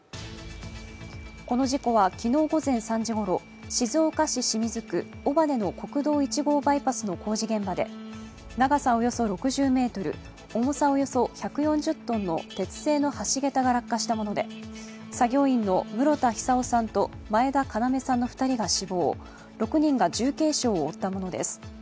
この事故は昨日午前３時ごろ、静岡県清水区尾羽の国道１号バイパスの工事現場で長さおよそ６０ｍ、重さおよそ１４０ｔの鉄製の橋桁が落下したもので作業員の室田久生さんと前田要さんの２人が死亡、６人が重軽傷を負ったものです。